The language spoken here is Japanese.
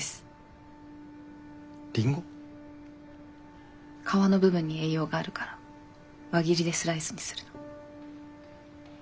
りんご？皮の部分に栄養があるから輪切りでスライスにするの。